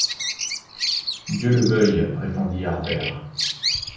Dieu le veuille ! répondit Harbert